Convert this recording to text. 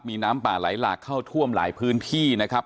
มีน้ำป่าไหลหลากเข้าท่วมหลายพื้นที่นะครับ